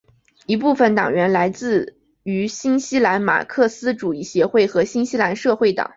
一部分党员来自于新西兰马克思主义协会和新西兰社会党。